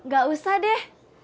gak usah deh